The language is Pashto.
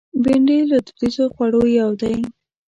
بېنډۍ له دودیزو خوړو یو دی